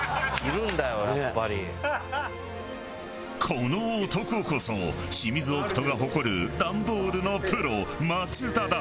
この男こそシミズオクトが誇るダンボールのプロ田だ。